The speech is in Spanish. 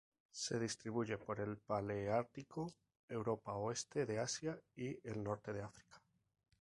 Se distribuye por el paleártico: Europa, oeste de Asia y el norte de África.